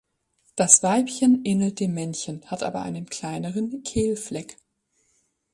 Das Weibchen ähnelt dem Männchen hat aber einen kleineren Kehlfleck.